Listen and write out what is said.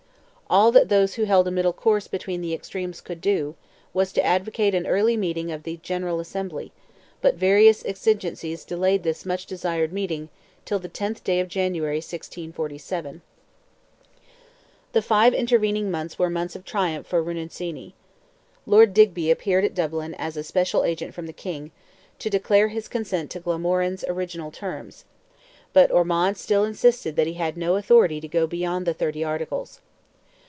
All that those who held a middle course between the extremes could do, was to advocate an early meeting of the General Assembly; but various exigencies delayed this much desired meeting, till the 10th day of January, 1647. The five intervening months were months of triumph for Rinuccini. Lord Digby appeared at Dublin as a special agent from the King, to declare his consent to Glamorgan's original terms; but Ormond still insisted that he had no authority to go beyond the Thirty Articles.